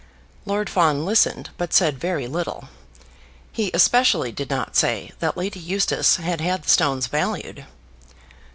Lord Fawn listened, but said very little. He especially did not say that Lady Eustace had had the stones valued.